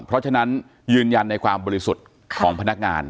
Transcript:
เพราะฉะนั้นยืนยันในความบริสุทธิ์ของพนักงาน